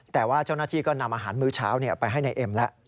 แต่ว่าเจ้าหน้าที่ก็นำอาหารมื้อเช้าไปให้นายเอ็มแล้ว